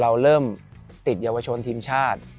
เราเริ่มติดเยาวชนทีมชาติ